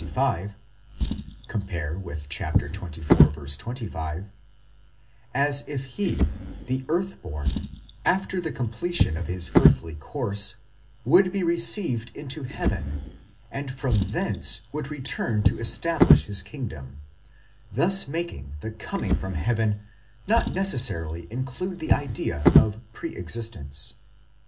65 (comp. xxiv. 25), as if he, the earth born, after the completion of his earthly course, would be received into heaven, and from thence would return to establish his kingdom: thus making the coming from heaven not necessarily include the idea of pre existence.